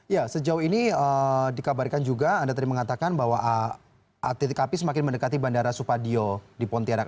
ya sejauh ini dikabarkan juga anda tadi mengatakan bahwa titik api semakin mendekati bandara supadio di pontianak